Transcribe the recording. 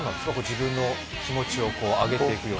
自分の気持ちを上げてくような。